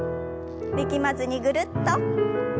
力まずにぐるっと。